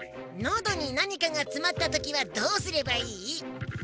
喉になにかがつまったときはどうすればいい？